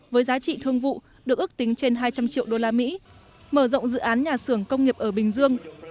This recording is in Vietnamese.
với giá trị thương vụ được ước tính trên hai trăm linh triệu đô la mỹ mở rộng dự án nhà xưởng công nghiệp ở bình dương